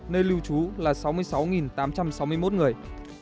nơi lưu trú là sáu mươi sáu tám trăm sáu mươi một người